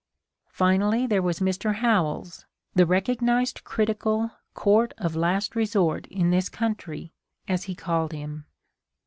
Finally, there was Mr. Howells, "the recognized critical Court of Last Resort in this country," as he called him.